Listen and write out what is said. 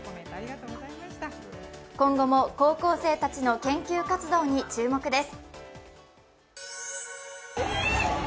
今後も高校生たちの研究活動に注目です。